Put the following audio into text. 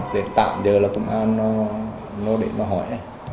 để tạm giờ là công an nó để nó hỏi